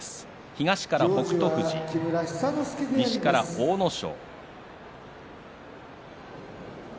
東から北勝富士、西から阿武咲。